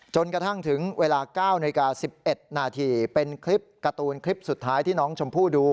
จนกระทั่งถึงเวลา๙นาฬิกา๑๑นาทีเป็นคลิปการ์ตูนคลิปสุดท้ายที่น้องชมพู่ดู